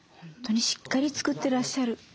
本当にしっかり作ってらっしゃる。